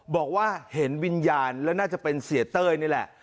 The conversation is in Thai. บอกว่าเห็นวิญญาณแล้วน่าจะเป็นเสียเต้ยนี่แหละ